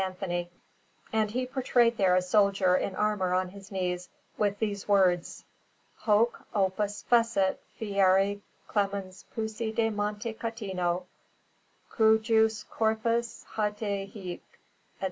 Anthony; and he portrayed there a soldier in armour on his knees, with these words: HOC OPUS FECIT FIERI CLEMENS PUCCI DE MONTE CATINO, CUJUS CORPUS JACET HIC, ETC.